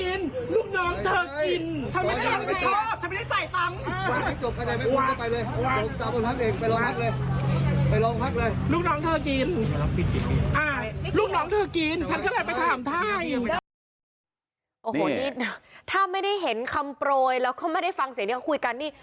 โอ้โหนี่ถ้าไม่ได้เห็นคำโปรยแล้วก็ไม่ได้ฟังเสียงที่เขาคุยกันนี่